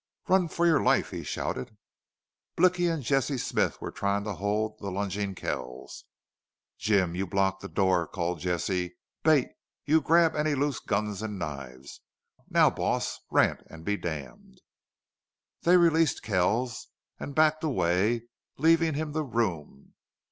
"Run for your life!" he shouted. Blicky and Jesse Smith were trying to hold the lunging Kells. "Jim, you block the door," called Jesse. "Bate, you grab any loose guns an' knives.... Now, boss, rant an' be damned!" They released Kells and backed away, leaving him the room.